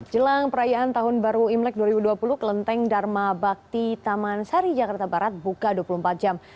jelang perayaan tahun baru imlek dua ribu dua puluh kelenteng dharma bakti taman sari jakarta barat buka dua puluh empat jam